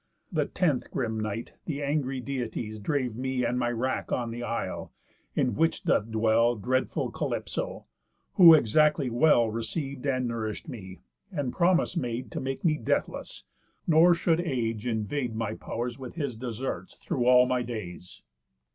The tenth grim night, the angry Deities drave Me and my wrack on th' isle, in which doth dwell Dreadful Calypso; who exactly well Receiv'd and nourish'd me, and promise made To make me deathless, nor should age invade My pow'rs with his deserts through all my days.